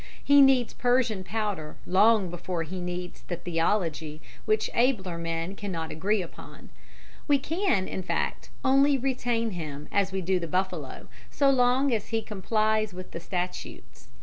He needs Persian powder long before he needs the theology which abler men cannot agree upon. We can, in fact, only retain him as we do the buffalo, so long as he complies with the statutes.